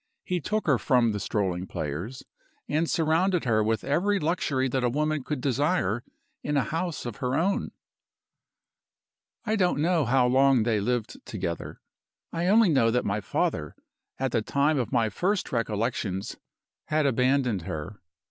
He took her from the strolling players, and surrounded her with every luxury that a woman could desire in a house of her own. "I don't know how long they lived together. I only know that my father, at the time of my first recollections, had abandoned her.